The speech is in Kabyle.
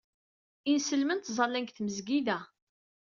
Inselmen ttẓallan deg tmesgida.